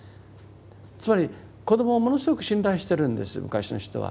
つまり子どもをものすごく信頼してるんです昔の人は。